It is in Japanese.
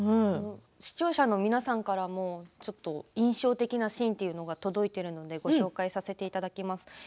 視聴者の皆さんからも印象的なシーンというのが届いているのでご紹介させていただきます。